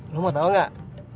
lo mau tau gak